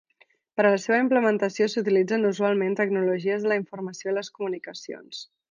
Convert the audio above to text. Per a la seva implementació s'utilitzen usualment tecnologies de la informació i les comunicacions.